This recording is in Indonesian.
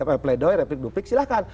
pleidoy replik duplik silahkan